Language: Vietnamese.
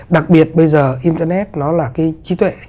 đặc biệt bây giờ internet nó là cái trí tuệ